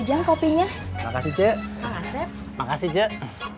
jangkau pinya makasih cik